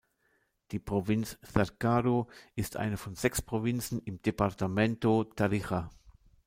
Die Provinz Cercado ist eine von sechs Provinzen im Departamento Tarija.